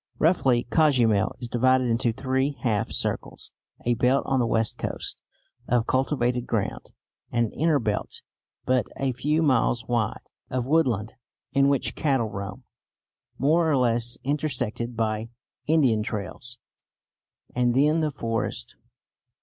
Roughly Cozumel is divided into three half circles; a belt, on the west coast, of cultivated ground; an inner belt, but a few miles wide, of woodland in which cattle roam, more or less intersected by Indian trails; and then the forest.